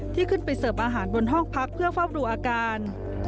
ที่ขึ้นไปเสิร์ฟอาหารบนห้องพักเพื่อเฝ้าดูอาการ